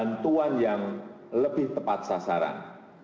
bantuan yang lebih tepat sasaran